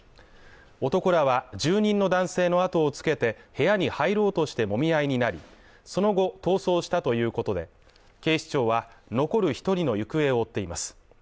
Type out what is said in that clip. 男らは住人の男性の後をつけて部屋に入ろうとしてもみ合いになり、その後逃走したということで、警視庁は、残る１人の行方を追っています。